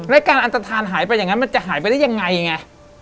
แล้วการอันตฐานหายไปอย่างนั้นมันจะหายไปได้ยังไงไง